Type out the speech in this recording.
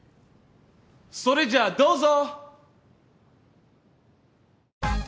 それじゃあどうぞ。